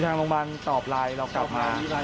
กับที่เขาตอบมาอย่างงั้น